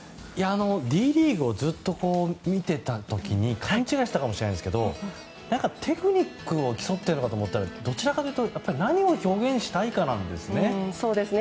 Ｄリーグをずっと見てた時に勘違いしていたかもしれないですがテクニックを競っているのかと思ったらどちらかというと何を表現したいかなんですね。